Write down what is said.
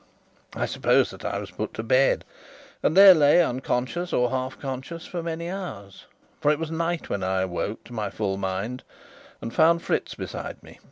I suppose that I was put to bed, and there lay, unconscious, or half conscious, for many hours; for it was night when I awoke to my full mind, and found Fritz beside me.